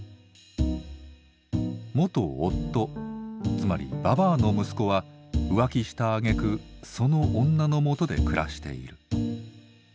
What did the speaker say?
元夫つまりばばあの息子は浮気したあげくその女のもとで暮らしている。